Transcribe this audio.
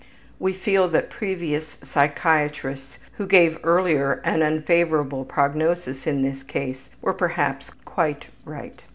We feel that previous psychiatrists who gave earlier an unfavorable prognosis in this case were perhaps quite right.